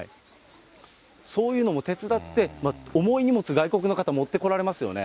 そういうのも手伝って、重い荷物、外国の方、持ってこられますよね。